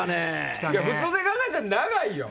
普通で考えたら長いよ。